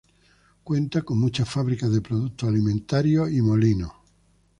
Cuenta con muchas fábricas de productos alimentarios y molinos.